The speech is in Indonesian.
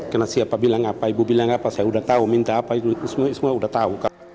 karena siapa bilang apa ibu bilang apa saya udah tahu minta apa itu semua udah tahu